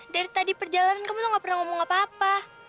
dari tadi perjalanan kamu tuh gak pernah ngomong apa apa